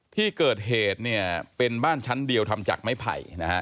ที่เกิดเหตุเนี่ยเป็นบ้านชั้นเดียวทำจากไม้ไผ่นะฮะ